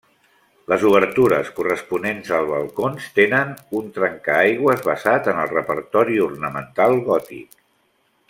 Les obertures corresponents als balcons tenen un trencaaigües basat en el repertori ornamental gòtic.